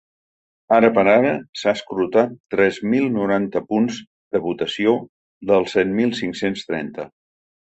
Ara per ara, s’han escrutat tres mil noranta punts de votació dels set mil cinc-cents trenta.